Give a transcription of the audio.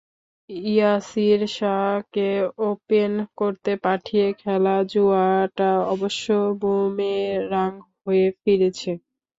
ইয়াসির শাহকে ওপেন করতে পাঠিয়ে খেলা জুয়াটা অবশ্য বুমেরাং হয়ে ফিরেছে।